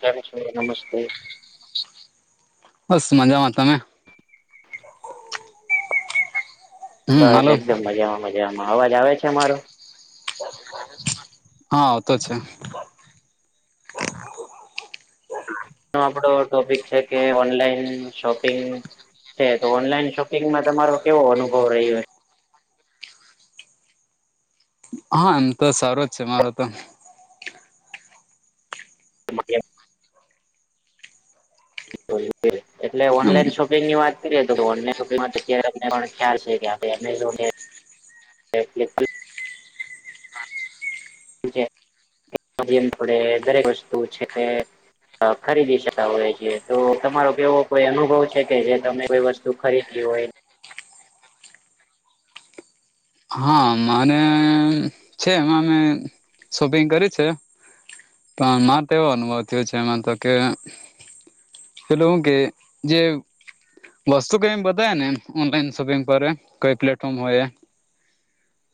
હાર, નમસ્તે બસ મજામાં તમે હમ બસ હાલો એકદમ મજામાં મજામાં અવાજ આવે છે, અમારો હા તો છે. ન આપડો ટોપિક છે, કે ઓનલાઈન શોપિંગ છે, તો ઓનલાઈન શોપિંગમાં તમારો કેવો અનુભવ રહ્યો છે. હા, એમ તો સારો જ છે મારો તો એટલે એમ ઓનલાઈન શોપ પની વાત કરીએ તો ઓનન શોપિંગમાં અતમને ખ્યાલ છે, કે આપ જો એટ્લેપ જેમ આપે દરેક વસ્તુ છે. અ ખરીદી શતા હોય છેએ તો તમારો કેવો કોઈ અનુભવ છે, કે જે તમે કોઈ વસ્તુ ખરીદ હોય. મારે છે, એમાં અમે શોપિંગ કર્યું છે. પણ મારે તો એવો અનુભવ થયો છે, એમાં તો કે એ લોકો કે જે વસ્તુ કઈમ બતાય ને એમ ઓનલાઈન શોપિંગ પર કઈ પ્લેટફોર્મ હોય.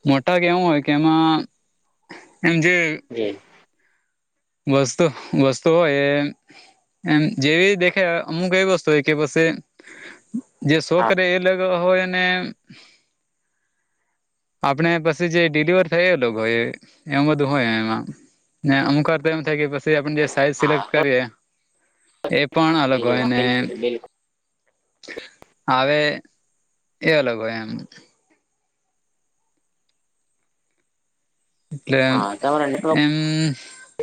મોટા કેવું હોય કે એમાં એમ જે જી વસ્તુ વસ્તુ હો, એ એમ જેવી દેખે અમુક એવી વસ્તુ હોય, કે પછ જે શો હા કરે એ હોય અનેને [inaudible] આપણે પછી જે ડડીલિવર થયેલોય એમ બધું હોય, એમાં ને અમુક થાય કે પછી આપ જે સાઈઝ સિલેક્ટ હા કરીએ એ પણ અલગ હોય, ને બિલકુલ બિલકુલ હ એ અલગ હોય એમ એટલે હા તમારા નેટવર્ક એમ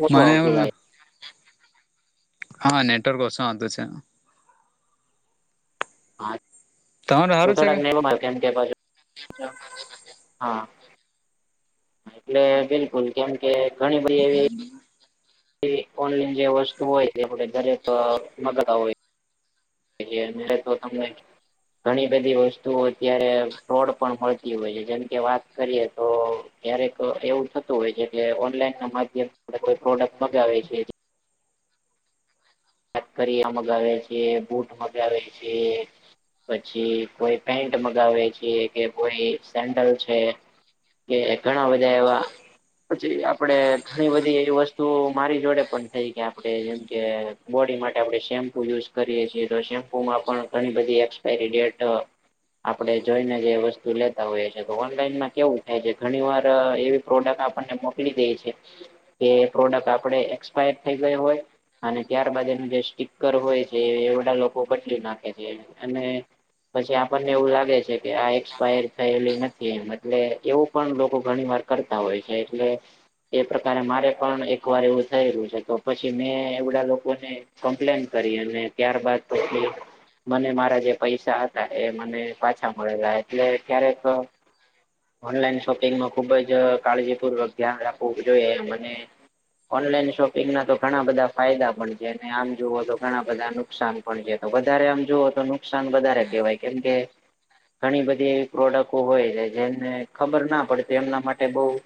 ઓછું મને એમ આવતું લાગે હા નેટવર્ક ઓછું વાંધું છે. હા તમારે તો સારું થોડાક છે નહીં કેમ કે પાછ, હા એટલે બિલકુલ કેમ કે ઘણી બધી એવી એ ઓનલાઈન જે વસ્તુ હોય, આપ દરેક મગાતા હોય. તો તમને ઘણી બધી વસ્તુઓ અત્યારે, ફ્રોડ પણ મળ હોય છે જેમકે વાત કરીએ તો ક્યારેક એવું થતું હોય છે, કે ઓનલાઈન ના માધ્યમ આપ કોઈ પ્રોડક્ટ મગાવે છે. ચટકરિયા મગાવે છે, બૂટ મગાવે છે. પછી કોઈ પેન્ટ મગાવે છે, કે કોઈ સેન્ડલ છે. કે ઘણા, બધા એવા પછી આપડે ઘણી બધી એવી વસ્તુ મારી જોડે પણ થઈ, કે આપણે જેમ કે બોડી માટે આપણે શેમ્પુ યુઝ કરીએ છીએ, તો શેમ્પુમાં પણ ઘણી બધી એક્સપાયરી ડેટ આપણે જોઈને જે વસ્તુ લેતા હોઈએ છીએ તો ઓનલાઈનમાં કેવું થાય છે ઘણી વાર એવી પ્રોડક્ટ આપણને મોકલી દે છે કે પ્રોડક્ટ આપણે એક્સપાયર થઈ ગયો હોય અને ત્યારબાદ એનું જે સ્ટીકર હોય છે એ બધ લોકો બદલી નાખે છે અને પછી આપણને એવું લાગે છે કે આ એક્સપાયર થયેલી નથી એમ એટલે એવું પણ લોકો ઘણી વાર કરતા હોય છે, એટલે એ પ્રકારે મારે પણ એક વાર એવું થઈ રહ્યું છે, કે પછી મેં એવડા લોકો ને કમ્પ્લેન કરી, અને ત્યારબાદ તો મને મારા જે પૈસા હતા, એ મને પાછા મળેલા એટલે ક્યારેક ઓનલાઈન શોપિંગમાં ખુબ જ કાળજીપૂર્વક ધ્યાન રાખવું જોઈએ ઓનલાઈન શોપિંગના તો ઘણા બધા ફાયદા પણ છે જેને આમ જુવો તો ઘણા બધા નુકસાન પણ છે વધારે આમ જુવો તો નુકસાન વધારે કેવાય કેમકે ઘણી બધી એવી પ્રોડક્ટો હોય છે જેમને ખબર ના પડતી એમના માટે બહ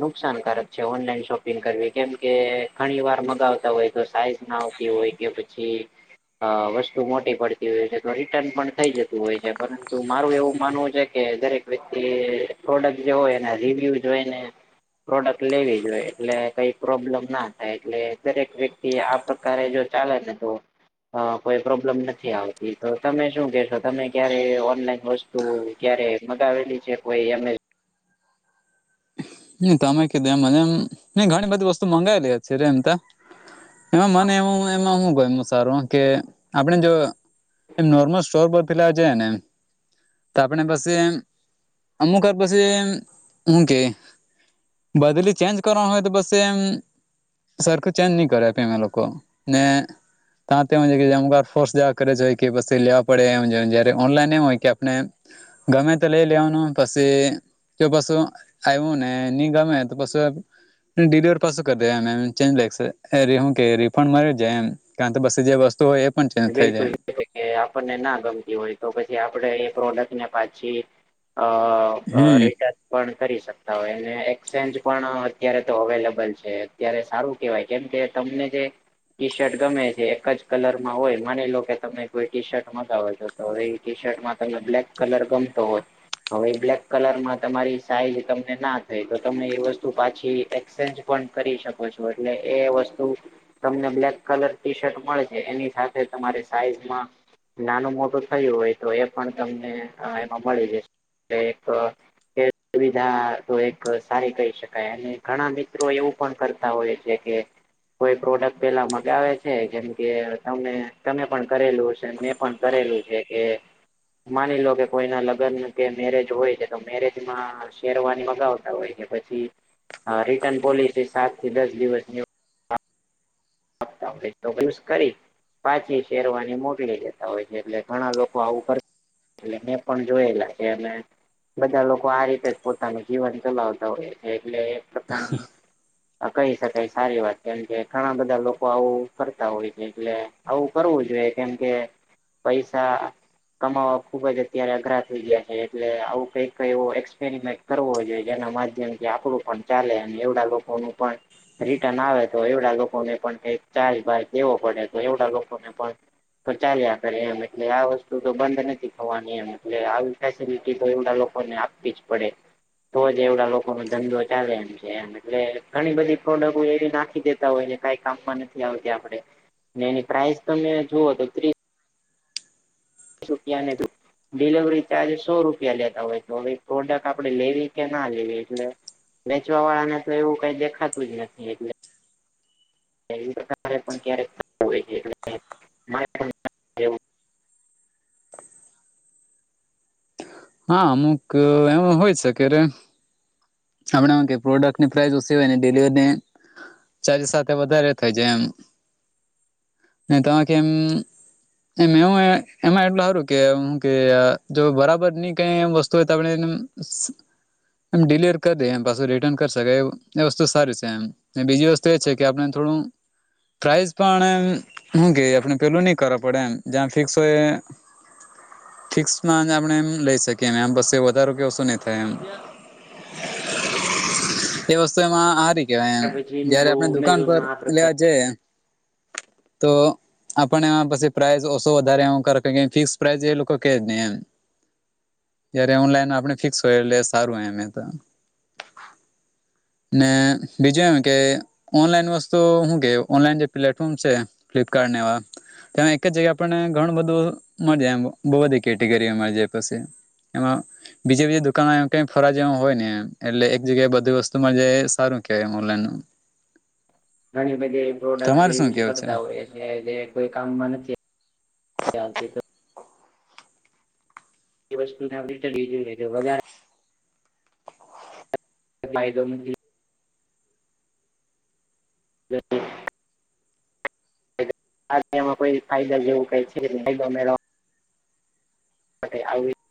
નુકસાનકારક છે ઓનલાઈન શોપિંગ કરવી કેમકે ઘણી વાર મગાવતા હોય તો સાઈઝ આવતી હોય કે પછી અ વસ્તુ મોટી પડતી હોય છે તો રિટર્ન પણ થઈ જતું હોય છે પરંતુ મારું એવું માનવું છે કે દરેક વ્યક્તિ પ્રોડક્ટ જે હોય એના રિવ્યુ હોયને પ્રોડક્ટ લેવી જોઈએ એટલે કઈ પ્રોબ્લેમ ના થાય એટલે દરેક વ્યક્તિ પ્રકારે જો ચાલે ને તો અ કોઈ પ્રોબ્લેમ નથી આવતી તો તમે શું કેશો તમે ક્યારે ઓનલાઈન વ ત ક્યારે મગાવેલી છે કોઈ એમમે તમે કીધું એમને એમ ઘણી બધી વસ્તુ મંગાવેલી છે રે એમ ત એમાં મનેું એમાં હું ગ સારું કે આપણે જો એ નોર્મલ સ્ટોર પર પેલા છે ને તો આપણે પછી અમુક પછી હું કે બદલી ચેન્જ કરવાની હોય તો બસ એમ સરખ ચેન્જ નહી કરે આપી એમે લોકો ને. તા એમ અમ ફોર્સ જવા કરે જ હોય કે પછી લેવા પડે એમ જયારે ઓનલાઈન એમ હોય કે આપને. ગમે તો લઈ લેવાનું પછી જો પછું. આવ્યું ને ની ગમે તો પછું. ડિલિવર પાછું કરી દે એમ એમ ચેન્જ લાગ એ હું કે રિફંડ મળ્યો જાય એમ. કારણ કે પછી જે વસ્તુ હોય એ. પણ ચેન્જ થઈ બિલકુલ. જાય એ કે આપણને ના ગમતી હોય તો પછી આપડે એ પ્રોડક્ટ ને પાછી અ. હ હમ રેટ. પણ કરી સકતા હોય અને એક્સચેન્જ પણ અત્યારે તો અવેલેબલ છે અત્યારે સારું. કવાય કેમ કે તમને જે ટી શર્ટ ગમે છે એક જ કલર. હોય માની લો કે તમે કોઈ ટી શર્ટ મગાવો છો તો એ ટી શર્ટમાં તમે બ્લેક કલર ગમતો હોય. હવે એ બ્લેક કલરમાં તમારી સાઈઝ તમને ના થઈ તો તમે એ વસ્તુ પાછી એક્ચેન્જ. પણ કરી શકો છો એટલે એ વસ્તુ તમને બ્લેક કલર ટી શર્ટ મળે છે એની. સાથે તમા સાઈઝમાં. નાનું મોટું થયું હોય તો એ પણ તમને એમાં મળી જશે એલે એક. કે સુવિધા તો એક સારી કહી શકાય અને ઘણા મિત્રો એવું. કરતા હોય છે કે કોઈ પ્રોડક્ટ પેલા મગાવે છે જેમકે. તમે તમે પણ કરેલું છે મેં પણ કરેલું છે કે. માની લો કે કોઈના લગ્ન કે મેરેજ હોય છે તો મેરેજ માં શેરવાની મગાવતા હોય છેછ? રિટર્ન પોલિસી સાત થી દસ દિવસની. તો કરી. પાછી શેરવાની મોકલી લેતા હોય છે એટલે ઘણા લોકો આવું કર. એટલે મે પણ જોયેલા છે અને. બધા લોકો આ રીતે જ પોતાનું જીવન ચલાવતા હોય છે એટલે એ પ્રકારની. કહી શકાય સારી વાત કેમ કે ઘણા બધા. બધા લોકો આવું કરતા હોય છે એટલે આવું કરવું જોઈએ કેમકે. પૈસા. કમાવા ખુબ જ અત્યારે અઘરા થઈ ગયા છે એટલે આવું કઈ કઈ એવો એક્સપેરિમેન્ટ. કરવો જોઈએ જેના માધ્યમથી આપડું પણ ચાલે એવડા લોકોનું પણ. રિટર્ન આવે તો એડા લોકોને પણ ક ચાર્જ ભાગ દેવો પડે તો એવડા લોકોને પણ!. તો ચાલ્યા કરે એમ એટલે આ વસ્તુ તો બંધ નથી થવાની એમ એટલે આવી ફેસિલટી તો એ લોકો. ને આપવી જ પડે. તોજ એવડા લોકો નો ધંધો ચાલે એમ છે એમ એટલે ઘણી બધી પ્રોડક્ટ એવી નાખી દેતા હોય છે. ક કામમાં નથી આવતી આપે એની પ્રઇસ તમે જુઓ તો ત્રીસ. શપિયા ને તું. ડિલવરી ચાર્જ સો રૂપિયા લેતા હોય તો હવે એક પ્રોડક્ટ આપે લેવી કે ના લેવી એટલે. વેચવા વાળાને તો એવું કઈ દેખાતું જ નથી એટલે. એ પ્રકારે પણ ક્યારેક હોય. ત્યાર હા અમુક એમ હોય શકે રે. આપમણા કે પ્રોડક્ટની પ્રાઇસ ઓછું હોય ને ડિલિવરીને. ચાલી સાથે વધારે થઇ જાય એમ તમા કે એમ. એમ હું એમાં એટલ હારું કે હું કે જો બરાબર ની. કઈ વસ્તુ હો તમણે એમ. એમ ડિલવર કરી દે એમ પાછું રિટર્ન કરી શકેાય એ વસ્તુ સારી છે એમ. અને બીજી વસ્તુ એ છે કે આપણે થોડું પ્રાઈઝ પણ. હું કે આપણે પેલું નઈ કરવા પડે એમ જ્યાં ફિક્સ હોય. ફિક્સ આપણે એ લઈ શકીએ. કેમ બ વધારો કે શું નહી થાય એમ. એ વસ્તુ એમાં હારી. કેવાયમ પછીનું જયારે બહુ આપણે દુકાન પર એમેઝોનમાં આ પ્રકાર લેવા જઈ તો આપણે એમાં પછી પ્રાઇઝ ઓછો વધારે એવુ કરે ફિક્સ પ્રાઇઝ એ લોકો કે નહી એમ જયારે ઓનલાઈન આપણે ફિક્સ હોય એટલે સારું એમે તો હ [unintelligible] ને બીજું એમ કે ઓનલાઈન વસ્તુ હું કે ઓનલાઈન જે પ્લેટફોર્મ છે ફ્લિપકાર્ટ એવા તેમાં એક જગ્યાએ આપણને ઘણું બધું મળ જાયમ બહુ બધી કેટેગરીઓ મળી જાય બસ એમ એમાં બીજી બીજી દુકાન કે ફરવા જેવુ હોય ને એમ એટલે એક જગ્યાએ બધી વસ્તુ મળાય સારું કેવાયનનું ઓનલાઇન નુ. ઘણી બધી પ્રોડક્ટ જે તમારે શું યુઝ કેવું છે કરતા હોય કોઈ કામમાં નથી જાંત તે તો એ વસ્તુને આપ રીતે લ લેજ વધારે એ દો મ [inaudible] બ માં કોઈ ફાયદા જેવું કાય છે ન‌ઈ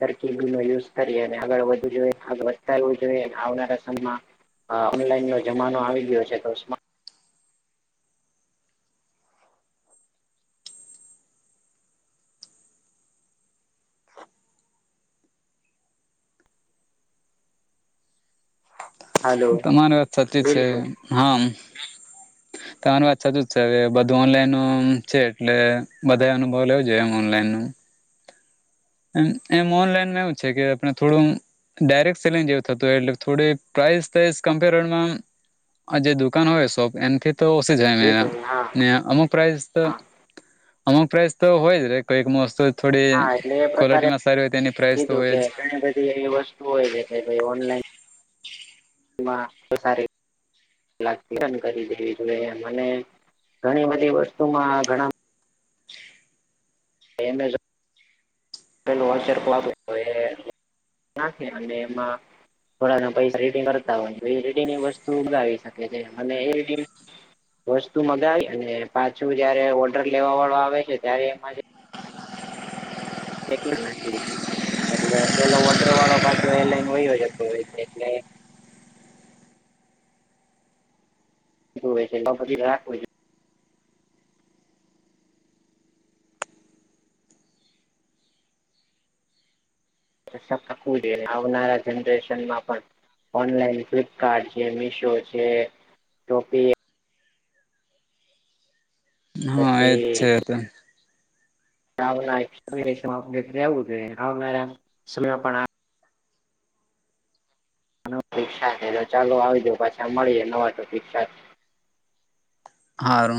રબી ન યુઝ કરીએ અને આગળ વધવું જોઈએ વધારવું જોઈએ આવનારા સમમાં હા ઓનલાઈન ન જમાનો આવી ગયો છે તો હાલો તમારી વાત સાચી છે બિલકુલ હા [unintelligible] તમારી વાત સાચું જ છેવે બધું ઓનલાઈન ન છે એટલે બધા અનુભવ લેવો જોઈએમ ઓનલાઈન નું એમ એમ ઓનલાઈન એવું છે કે આપણે થોડું ડાયરેક્ટ સેલિંગ જેવું થતું એટલે થોડી પ્રઇસમ્પેમાં કમ્પેરીમાં આ જે દુકાન હોય શોપ એમથી તો ઓછી જાય મે બિલકુલ હા ને અમુક પ્રાઇસ હા અમુક પ્રાઈઝ તો હોય જ રે કોઈક વસ્તુ થોડી હા એટલે એ ક્વોલિટીમાં સારી હોય તેની પ્રાઇસ તો કીધું હોય કે જ ઘણી બધી એવી વસ્તુ હોય છે કે ભ‌ઇ ઓનલાઈન તો સાર ચન કરી દેવી જોઈએ મ ઘણી બધી વસ્તુમાં ઘણા એમેઝો વચર એ નાખ અને એમાં થોડા પૈસા રીટિંગ કરતા હોય એ રીટિંગ વસ્તુાવી શકે છે મને એ રીટિગ વસ્તુ મગાવી અને પાછું જયારે ઓર્ડર લેવા વાળો આવે છે ત્યારે એમાં ે નાખી એટલે પેલો ઓર્ડર વાળો પાછો એરલાઈન વયયો જતો હોય, એટલે હોય, એધી રાખ હોય છે. થકવું જોઈએ અને આવનારા જનરેશનમાં, પણ ઓનલાઈન ફ્લપકાર્ટ છે, મીશો છે, શપી હા એજ છે, તો જોઈ, આવનારા સમયમાં પણ આ પિકક્ષા છે, તો ચાલો આવીજ પાછા મળી જ નવા ટપિકક્ષા હાાર